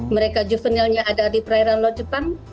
mereka juvenialnya ada di perairan laut jepang